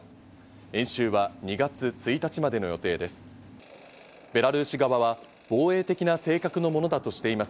演習は２月１日までの予定です。